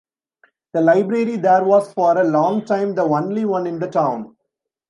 The library there was for a long time the only one in the town.